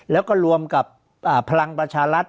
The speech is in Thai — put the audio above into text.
แล้วก็รวมกับพลังประชารัฐ